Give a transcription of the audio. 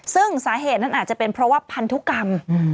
ซึ่งสาเหตุนั้นอาจจะเป็นเพราะว่าพันธุกรรม